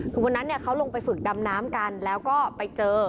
คือวันนั้นเขาลงไปฝึกดำน้ำกันแล้วก็ไปเจอ